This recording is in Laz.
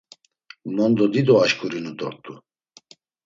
Mondo dido aşǩurinu dort̆u!